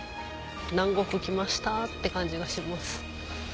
南国来ましたって感じがします。